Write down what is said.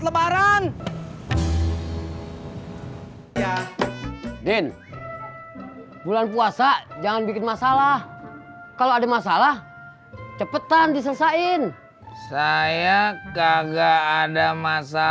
lebaran ya din bulan puasa jangan bikin masalah kalau ada masalah cepetan diselesaikan saya kagak